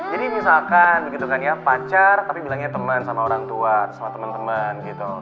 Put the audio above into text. jadi misalkan begitu kan ya pacar tapi bilangnya teman sama orang tua sama temen temen gitu